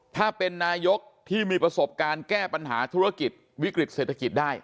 ถ้าเป็นนายกที่มีประสบการณ์แก้ปัญหาธุรกิจวิกฤตเศรษฐกิจได้